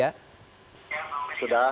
ya bang feri sudah